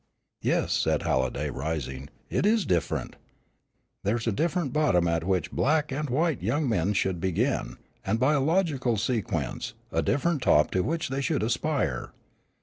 "Yes," said Halliday, rising, "it is different. There's a different bottom at which black and white young men should begin, and by a logical sequence, a different top to which they should aspire.